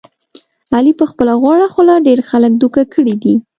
علي په خپله غوړه خوله ډېر خلک دوکه کړي دي.